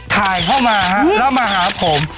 ถ่ายเข้ามาแล้วมาหาผม